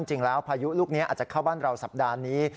พายุลูกนี้อาจจะเข้าบ้านเราสัปดาห์นี้